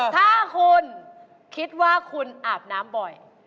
ถ้าคุณคิดว่าคุณอาบน้ำบ่อย